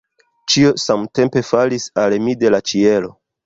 Ĉio samtempe falis al mi de la ĉielo.